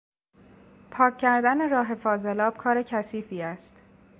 پاک کردن راه فاضلاب کار کثیفی است.